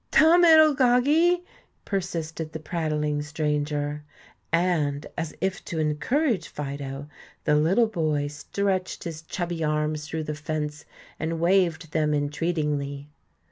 "Turn, 'ittle goggie!" persisted the prattling stranger, and, as if to encourage Fido, the little boy stretched his chubby arms through the fence and waved them entreatingly.